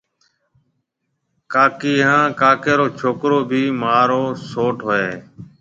ڪاڪيَ هانَ ڪاڪِي رو ڇوڪرو ڀِي مهارو سئوٽ هوئي هيَ